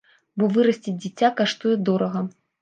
Бо вырасціць дзіця каштуе дорага.